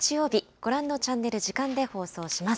ご覧のチャンネル、時間で放送します。